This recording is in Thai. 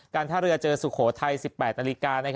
การท่าเรือเจอสุโขทัย๑๘น